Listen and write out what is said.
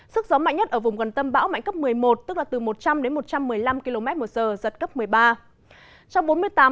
sức gió mạnh nhất ở vùng gần tâm bão mạnh cấp một mươi một tức là từ một trăm linh đến một trăm một mươi năm km một giờ giật cấp một mươi ba